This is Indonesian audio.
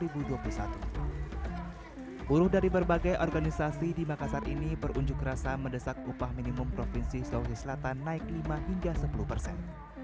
buruh dari berbagai organisasi di makassar ini berunjuk rasa mendesak upah minimum provinsi sulawesi selatan naik lima hingga sepuluh persen